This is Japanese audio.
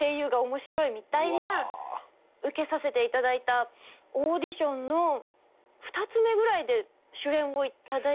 受けさせていただいたオーディションの２つ目ぐらいで主演を頂いて。